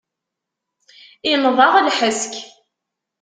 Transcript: Inneḍ-aɣ lḥesk.